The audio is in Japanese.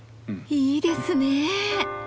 いいですね。